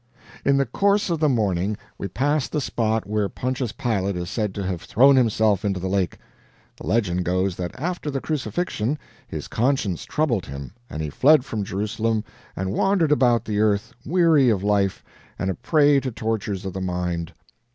In the course of the morning we passed the spot where Pontius Pilate is said to have thrown himself into the lake. The legend goes that after the Crucifixion his conscience troubled him, and he fled from Jerusalem and wandered about the earth, weary of life and a prey to tortures of the mind.